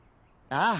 ああ。